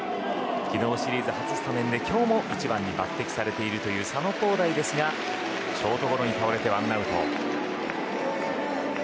昨日、シリーズ初スタメンで今日も１番に抜擢されている佐野皓大ですがショートゴロでワンアウト。